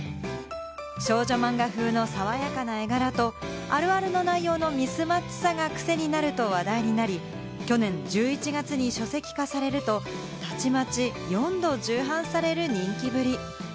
少女漫画風の爽やかな絵柄とあるあるの内容のミスマッチさがクセになると話題になり、去年１１月に書籍化されると、たちまち４度の重版がされる人気ぶり。